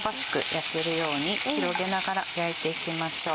焼けるように広げながら焼いていきましょう。